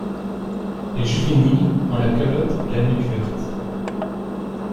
Les juvéniles ont la calotte et la nuque vertes.